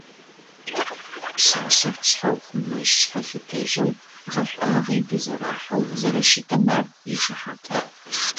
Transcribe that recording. Пшъашъэр шъхъэухъумэжь-шъхьэлъытэжьэу, гъэшӏуагъи дызэрахьэу зэрэщытым ар ишыхьатыгъ.